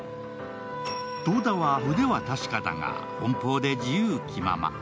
遠田は腕は確かだが、奔放で自由気まま。